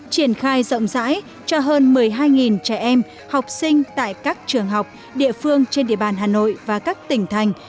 triển khai rộng rãi cho hơn một mươi hai trẻ em học sinh tại các trường học địa phương trên địa bàn hà nội và các tỉnh thành